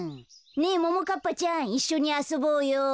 ねえももかっぱちゃんいっしょにあそぼうよ。